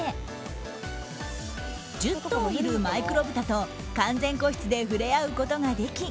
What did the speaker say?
１０頭いるマイクロブタと完全個室で触れ合うことができ